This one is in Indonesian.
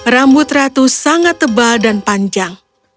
rambut ratu sangat tebal dan panjang